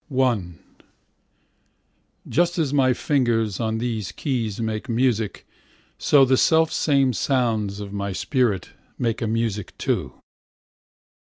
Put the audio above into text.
pdf I Just as my fingers on these keys Make music, so the self same sounds On my spirit make a music, too.